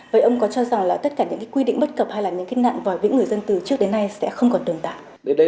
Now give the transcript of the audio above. vậy ông có cho rằng là tất cả những quy định bất cập hay là những cái nạn vòi vĩnh người dân từ trước đến nay sẽ không còn tồn tại